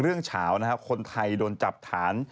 เรื่องฉาวนะครับคนไทยโดนจับฐาน